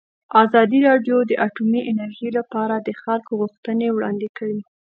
ازادي راډیو د اټومي انرژي لپاره د خلکو غوښتنې وړاندې کړي.